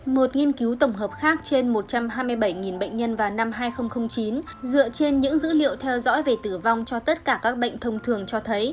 một nghiên cứu tổng hợp khác trên một trăm hai mươi bảy bệnh nhân vào năm hai nghìn chín dựa trên những dữ liệu theo dõi về tử vong cho tất cả các bệnh thông thường cho thấy